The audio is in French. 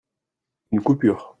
Une coupure.